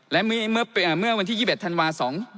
และเมื่อวันที่๒๑ธันวา๒๕๖